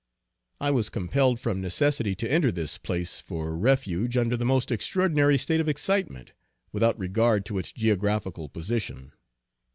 I was compelled from necessity to enter this place for refuge under the most extraordinary state of excitement, without regard to its geographical position.